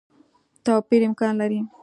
توپیر امکان لري.